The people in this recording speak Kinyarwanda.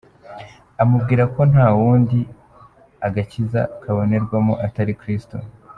Amubwira ko nta wundi agakiza kabonerwamo, atari Kristo